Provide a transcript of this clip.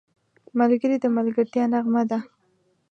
ملګری د ملګرتیا نغمه ده